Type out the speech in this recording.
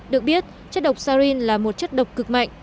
được biết chất độc sarin là một chất độc cực mạnh